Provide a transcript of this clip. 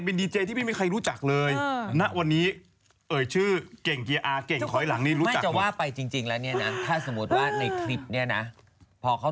ก็มันบีบผมมาอย่างเนี้ยแล้วมันก็มาคอกกระจกรถผม